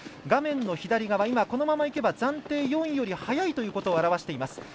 画面の左側、このままいけば暫定４位よりも速いということをあらわしています。